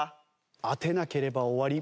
当てなければ終わり。